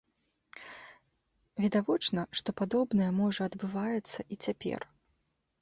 Відавочна, што падобнае можа адбываецца і цяпер.